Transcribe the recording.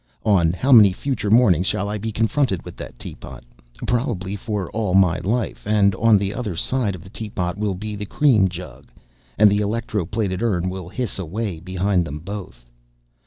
On how many future mornings shall I be confronted with that tea pot? Probably for all my life; and on the other side of the teapot will be the cream jug, and the electro plated urn will hiss away behind them both.